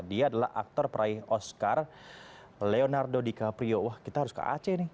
dia adalah aktor peraih oscar leonardo dicaprio wah kita harus ke aceh nih